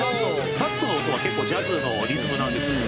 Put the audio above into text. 「バックの音は結構ジャズのリズムなんですよ。